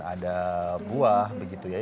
ada buah begitu ya